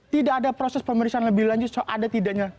tidak ada proses pemeriksaan lebih lanjut ada tidaknya